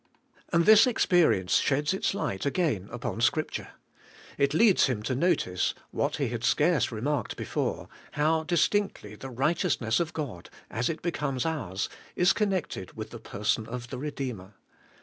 And this experience sheds its light again upon Scripture. It leads him to notice, what he had scarce remarked before, how distinctly the righteous ness of God, as it becomes ours, is connected with the person of the Eedeemer.